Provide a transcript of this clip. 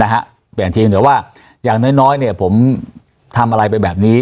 เปลี่ยนเพียงแต่ว่าอย่างน้อยน้อยเนี่ยผมทำอะไรไปแบบนี้